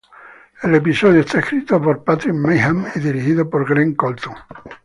El episodio está escrito por Patrick Meighan y dirigido por Greg Colton.